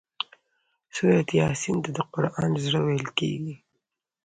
سورة یس ته د قران زړه ويل کيږي